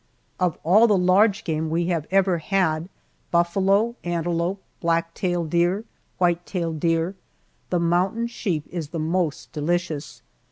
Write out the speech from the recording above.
Of all the large game we have ever had buffalo, antelope, black tail deer, white tail deer the mountain sheep is the most delicious.